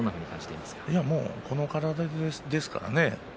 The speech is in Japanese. この体ですからね。